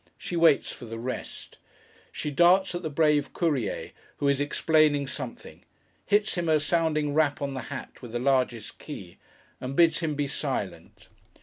She waits for the rest. She darts at the brave Courier, who is explaining something; hits him a sounding rap on the hat with the largest key; and bids him be silent.